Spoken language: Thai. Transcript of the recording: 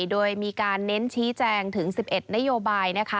โดยมีการเน้นชี้แจงถึง๑๑นโยบายนะคะ